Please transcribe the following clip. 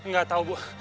gak tau bu